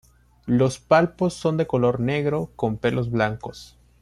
Los palpos son de color negro con pelos blancos.